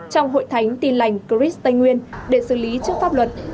trong hội thánh tin lành christ tây nguyên để xử lý trước pháp luật